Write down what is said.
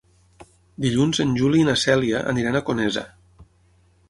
Dilluns en Juli i na Cèlia aniran a Conesa.